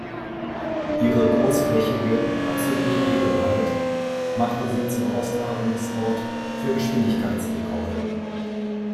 Ihre großflächige absolute Ebenheit machte sie zum Austragungsort für Geschwindigkeitsrekorde.